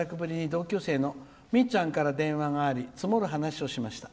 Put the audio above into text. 同級生の、みっちゃんから電話があり積もる話をしました。